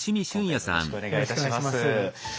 よろしくお願いします。